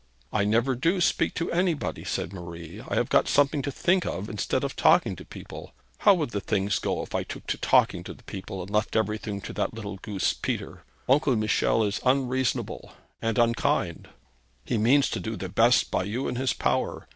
'I never do speak to anybody,' said Marie. 'I have got something to think of instead of talking to the people. How would the things go, if I took to talking to the people, and left everything to that little goose, Peter? Uncle Michel is unreasonable, and unkind.' 'He means to do the best by you in his power.